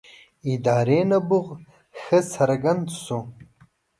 ادارې نبوغ ښه څرګند شو.